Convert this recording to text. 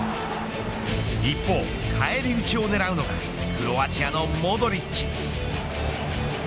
一方、返り討ちを狙うのがクロアチアのモドリッチ。